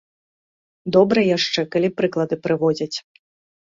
Добра яшчэ, калі прыклады прыводзяць.